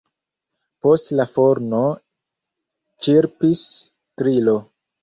Post la forno ĉirpis grilo.